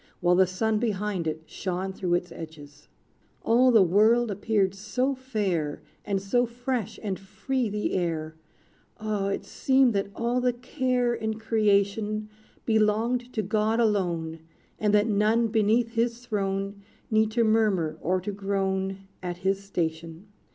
While the sun behind it, shone Through its edges. All the world appeared so fair, And so fresh and free the air, Oh! it seemed that all the care In creation Belonged to God alone; And that none beneath his throne, Need to murmur or to groan At his station.